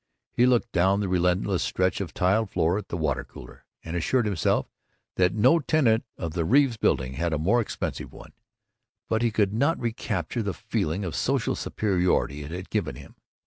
He looked down the relentless stretch of tiled floor at the water cooler, and assured himself that no tenant of the Reeves Building had a more expensive one, but he could not recapture the feeling of social superiority it had given him.